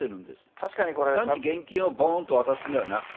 確かにこれ、単に現金をぼーんと渡すんじゃなくて。